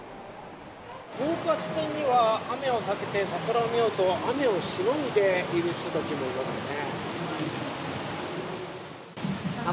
高架下には雨を避けて桜を見ようと雨をしのいでいる人たちもいますね。